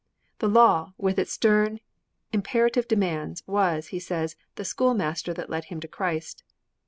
The law, with its stern, imperative demands, was, he says, the schoolmaster that led him to Christ.